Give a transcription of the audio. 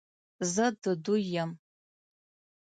زه د دوی یم،